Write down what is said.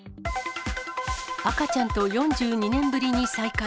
赤ちゃんと４２年ぶりに再会。